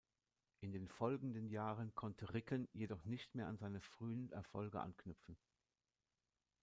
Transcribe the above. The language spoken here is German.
In den folgenden Jahren konnte Ricken jedoch nicht mehr an seine frühen Erfolge anknüpfen.